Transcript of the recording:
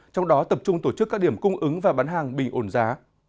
trong đó tập trung tổ chức các điểm cung ứng và bán hàng bình ổn giá